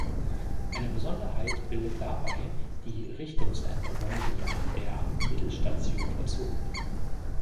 Eine Besonderheit bildet dabei die Richtungsänderung, die an der Mittelstation vollzogen wird.